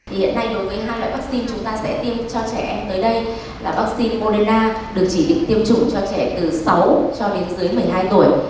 hiện nay đối với hai loại vắc xin chúng ta sẽ tiêm cho trẻ em tới đây là vắc xin moderna được chỉ định tiêm chủng cho trẻ từ sáu cho đến dưới một mươi hai tuổi